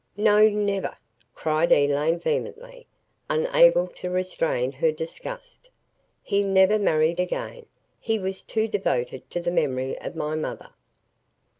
"No never," cried Elaine vehemently, unable to restrain her disgust. "He never married again. He was too devoted to the memory of my mother."